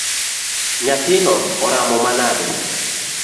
Nyathino oramo manade?